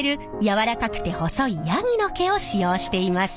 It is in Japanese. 柔らかくて細いヤギの毛を使用しています。